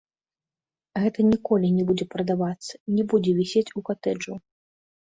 Гэта ніколі не будзе прадавацца, не будзе вісець у катэджу.